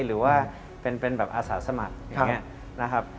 หรือว่าเป็นแบบอาสาสมัครอย่างนี้นะครับ